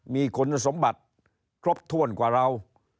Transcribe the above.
มีคุณสมบัติครบถ้วนกว่าเรา